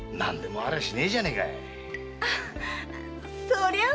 そりゃあ